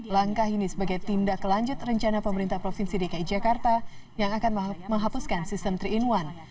langkah ini sebagai tindak lanjut rencana pemerintah provinsi dki jakarta yang akan menghapuskan sistem tiga in satu